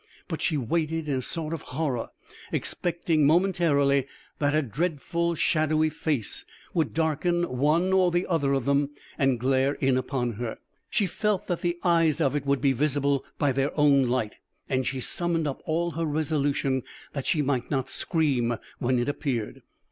But she waited in a sort of horror, expecting momently that a dreadful shadowy face would darken one or the other of them and glare in upon her. She felt that the eyes of it would be visible by their own light, and she summoned up all her resolution that she might not scream when it appeared.